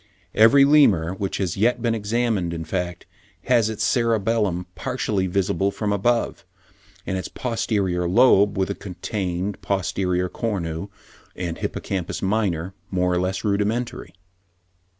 Every Lemur which has yet been examined, in fact, has its cerebellum partially visible from above; and its posterior lobe, with the contained posterior cornu and hippocampus minor, more or less rudimentary.